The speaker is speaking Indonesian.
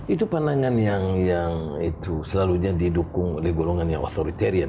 itu pandangan yang itu selalunya didukung oleh golongan yang authoritarian